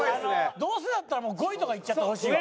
どうせだったらもう５位とかいっちゃってほしいわ。